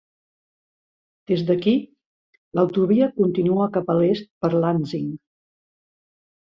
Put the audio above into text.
Des d'aquí, l'autovia continua cap a l'est per Lansing.